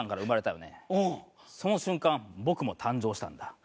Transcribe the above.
その瞬間僕も誕生したんだ。